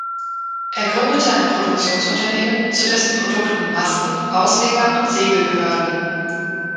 Er gründete ein Produktionsunternehmen, zu dessen Produkten Masten, Ausleger und Segel gehörten.